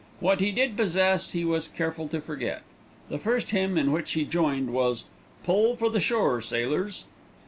What he did possess he was careful to forget. The first hymn in which he joined was "Pull for the Shore, Sailors."